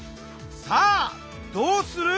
さあどうする？